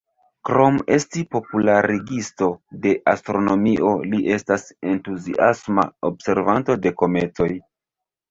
Krom esti popularigisto de astronomio, li estas entuziasma observanto de kometoj.